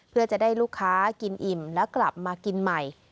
เพื่อจะได้ลูกค้ากินอิ่มแล้วกลับมากินใหม่